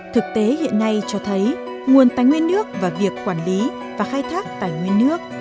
thực tế hiện nay cho thấy nguồn tài nguyên nước và việc quản lý và khai thác tài nguyên nước